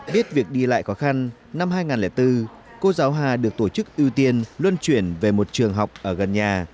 biết việc đi lại khó khăn năm hai nghìn bốn cô giáo hà được tổ chức ưu tiên luân chuyển về một trường học ở gần nhà